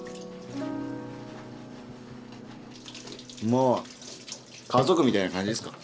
今は家族みたいな感じですか。